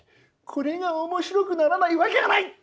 これが面白くならないわけがない！